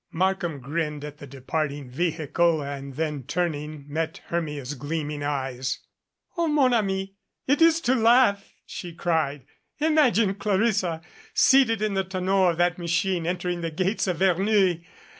Markham grinned at the departing vehicle and then, turning, met Hermia's gleaming eyes. "O mon ami, it is to laugh!" she cried. "Imagine Clarissa seated in the tonneau of that machine entering the gates of Verneuil!